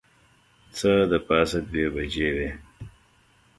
څه د پاسه دوې بجې وې.